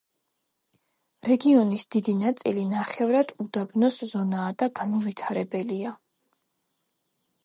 რეგიონის დიდი ნაწილი ნახევრად უდაბნოს ზონაა და განუვითარებელია.